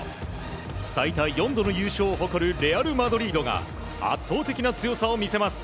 最多４度の優勝を誇るレアル・マドリードが圧倒的な強さを見せます。